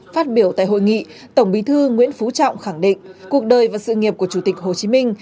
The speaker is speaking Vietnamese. phát biểu tại hội nghị tổng bí thư nguyễn phú trọng khẳng định cuộc đời và sự nghiệp của chủ tịch hồ chí minh